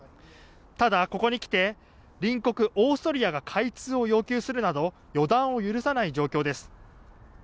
ただ、ここに来て隣国オーストリアが開通を要求するなど予断を許さない状況です。